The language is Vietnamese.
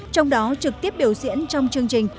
trong đó trực tiếp biểu diễn trong chương trình